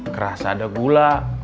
kerasa ada gula